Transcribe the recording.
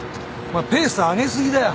ペース上げ過ぎだよ。